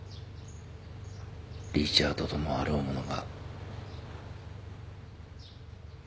リチャードともあろうものが。